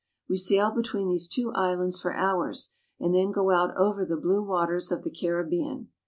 We sail betv/een these two islands for hours, and then go out over the blue waters of the Caribbean.